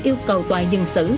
yêu cầu tòa dừng xử